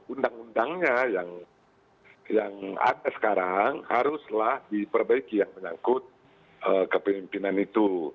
undang undangnya yang ada sekarang haruslah diperbaiki yang menyangkut kepemimpinan itu